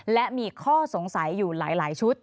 และมีข้อสงสัยอยู่หลายชุด